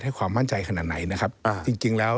ใกล้ขนาดไหนนะครับจริงแล้ว